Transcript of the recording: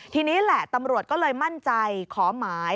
ทีนี้แหละตำรวจก็เลยมั่นใจขอหมาย